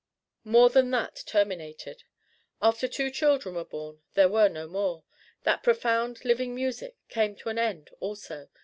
More than that terminated. After two children were born, there were no more: that profound living music came to an end also.